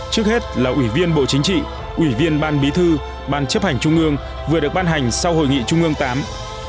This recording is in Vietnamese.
trước hết là ủy viên bộ chính trị ủy viên ban bí thư ban chấp hành trung ương vừa được ban hành sau hội nghị trung ương viii